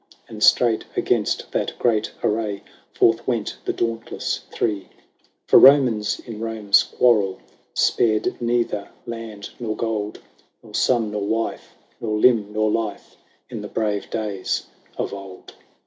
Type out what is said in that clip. And straight against that great array Forth went the dauntless Three. HORATIUS. 59 For Romans in Home's quarrel Spared neither land nor gold, Nor son nor wife, nor limb nor life, In the brave days of old.